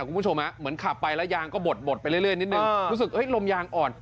คุณผู้ชมเหมือนขับไปแล้วยางก็บดบดไปเรื่อยนิดนึงรู้สึกลมยางอ่อน